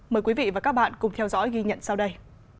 mời quý vị và các bạn cùng theo dõi ghi nhận sau đây